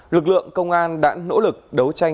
lực lượng công an đã nỗ lực đấu tranh